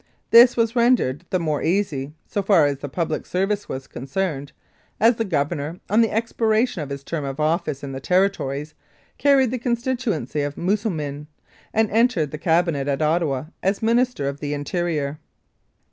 This was rendered the more easy, so far as the public service was concerned, as the Governor, on the expiration of his term of office in the Territories, carried the constituency of Moosomin, and entered the Cabinet at Ottawa as Minister of the Interior.